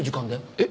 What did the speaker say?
えっ？